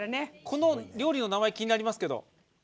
この料理の名前気になりますけど。